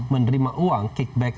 menerima uang kickback